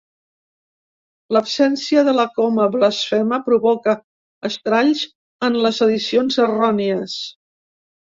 L'absència de la «coma blasfema» provoca estralls en les edicions errònies.